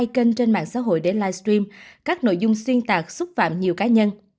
hai kênh trên mạng xã hội để livestream các nội dung xuyên tạc xúc phạm nhiều cá nhân